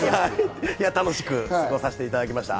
楽しく過ごさせていただきました。